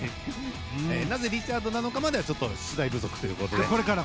なぜリチャードなのかまでは取材不足ということで。